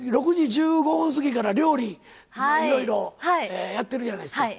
６時１５分過ぎから料理、いろいろやってるじゃないですか。